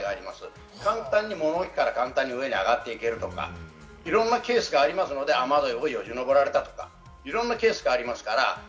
物置から簡単に上に上がれるとか、いろんなケースがありますので、雨どいをよじ登られたとか、いろんなケースがありますから。